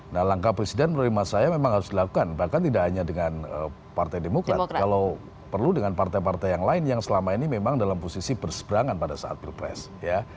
nah langkah presiden menurut saya memang harus dilakukan bahkan tidak hanya dengan partai demokrat kalau perlu dengan partai partai yang lain yang selama ini memang dalam posisi berseberangan pada saat pilpres ya